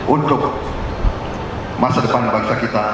untuk masa depan bangsa kita